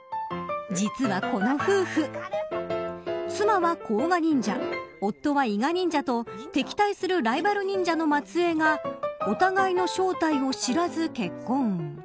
実はこの夫婦妻は甲賀忍者夫は伊賀忍者と敵対するライバル忍者の末裔がお互いの正体を知らず結婚。